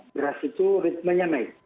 beras itu ritmenya naik